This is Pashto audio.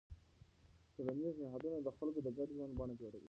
ټولنیز نهادونه د خلکو د ګډ ژوند بڼه جوړوي.